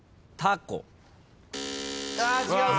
あ違うか。